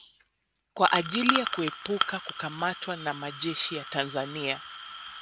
Kwa ajili ya kuepuka kukamatwa na majeshi ya Tanzania